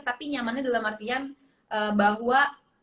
tapi nyamannya dalam artian bahwa